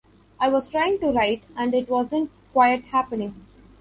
I was trying to write and it wasn't quite happening.